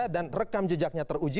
dan rekam jejaknya teruji